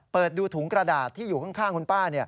เปิดดูถุงกระดาษที่อยู่ข้างคุณป้า